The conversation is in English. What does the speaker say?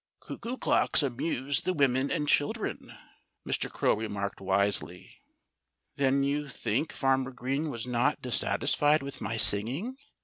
"Cuckoo clocks amuse the women and children," Mr. Crow remarked wisely. "Then you think Farmer Green was not dissatisfied with my singing?